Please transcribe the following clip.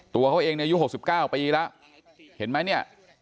ตัวเขาเองเรายู๖๙ไปอีกละเห็นมั้ย